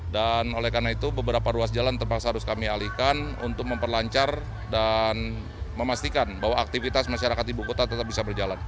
dan oleh karena itu beberapa ruas jalan terpaksa harus kami alihkan untuk memperlancar dan memastikan bahwa aktivitas masyarakat di bukota tetap bisa berjalan